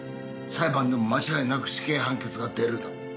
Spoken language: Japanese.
裁判でも間違いなく死刑判決が出るだろう。